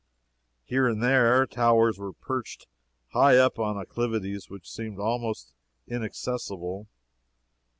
Here and there, towers were perched high up on acclivities which seemed almost inaccessible.